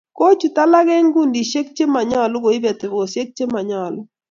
Kochut alak eng kundisiek chemonyolu koib atebosiek che monyolu